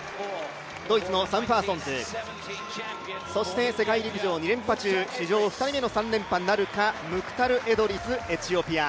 ドイツのサム・パーソンズ、そして世界陸上２連覇中、史上２人目の３連覇なるかムクタル・エドリス、エチオピア。